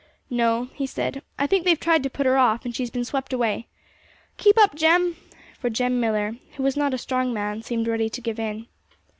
'No,' he said. 'I think they've tried to put her off, and she's been swept away. Keep up, Jem!' For Jem Millar, who was not a strong man, seemed ready to give in.